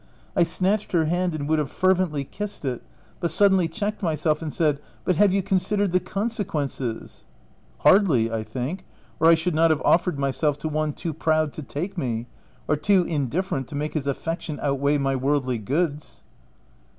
I snatched her hand and would have fervently kissed it, but suddenly checked myself and said, —" But have you considered the conse quences ?" u Hardly, I think, or I should not have of fered myself to one too proud to take me, or too indifferent to make his affection outweigh my worldly goods."